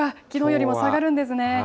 きのうよりも下がるんですね。